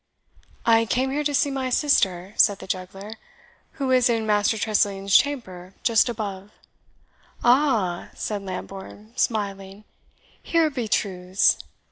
"I came here to see my sister," said the juggler, "who is in Master Tressilian's chamber, just above." "Aha!" said Lambourne, smiling, "here be truths!